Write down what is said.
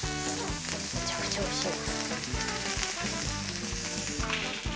めちゃくちゃおいしそう。